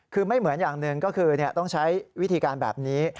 คือไม่เหมือนอย่างหนึ่งก็คือต้องใช้วิธีการแบบนี้